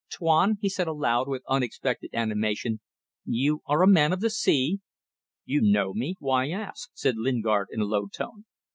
... Tuan," he said aloud with unexpected animation, "you are a man of the sea?" "You know me. Why ask?" said Lingard, in a low tone.